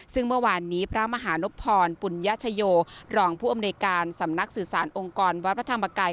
ซึ่งเมื่อวานนี้พระมหานพรปุญญชโยรองผู้อำนวยการสำนักสื่อสารองค์กรวัดพระธรรมกาย